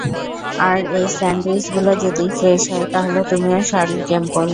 আর এই স্যান্ডউইচ গুলা যদি ফ্রেশ হয় তাহলে তুমিও শার্লি টেম্পল।